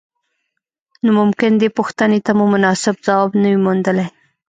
نو ممکن دې پوښتنې ته مو مناسب ځواب نه وي موندلی.